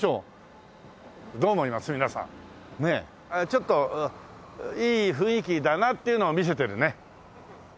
ちょっといい雰囲気だなっていうのを見せてるね。